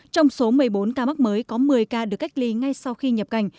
trong số một mươi bốn ca mắc mới có một mươi ca được cách ly ngay sau khi nhập cảnh